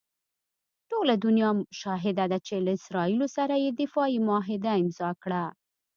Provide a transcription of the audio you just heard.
ټوله دنیا شاهده ده چې له اسراییلو سره یې دفاعي معاهده امضاء کړه.